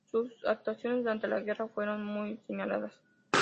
Sus actuaciones durante la guerra fueron muy señaladas.